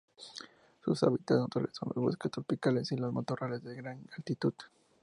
Sus hábitats naturales son los bosques tropicales y los matorrales de gran altitud.